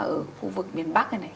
ở khu vực miền bắc này này